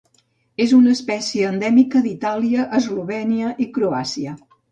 És una espècie endèmica d'Itàlia, Eslovènia i Croàcia.